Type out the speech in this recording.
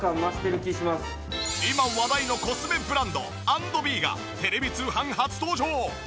今話題のコスメブランド＆ｂｅがテレビ通販初登場！